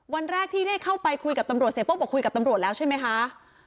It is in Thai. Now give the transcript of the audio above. วันแรกที่ได้เข้าไปคุยกับตำรวจเสียโป้บอกคุยกับตำรวจแล้วใช่ไหมคะ